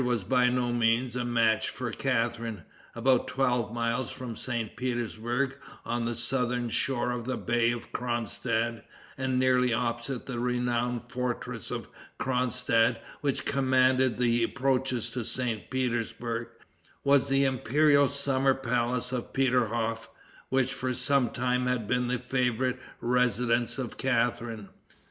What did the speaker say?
was by no means a match for Catharine. About twelve miles from St. Petersburg, on the southern shore of the Bay of Cronstadt, and nearly opposite the renowned fortresses of Cronstadt which command the approaches to St. Petersburg, was the imperial summer palace of Peterhof, which for some time had been the favorite residence of Catharine.